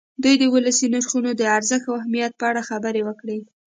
دوی دې د ولسي نرخونو د ارزښت او اهمیت په اړه خبرې وکړي.